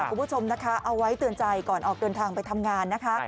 คุณผู้ชมนะคะเอาไว้เตือนใจก่อนออกเดินทางไปทำงานนะคะ